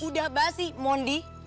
udah basi mondi